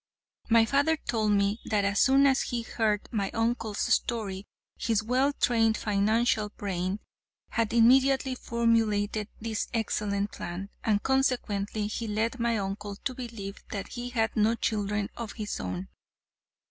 My father told me that as soon as he heard my uncle's story, his well trained financial brain had immediately formulated this excellent plan, and consequently he led my uncle to believe that he had no children of his own.